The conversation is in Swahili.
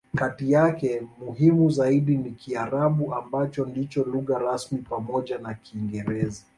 Kati yake, muhimu zaidi ni Kiarabu, ambacho ndicho lugha rasmi pamoja na Kiingereza.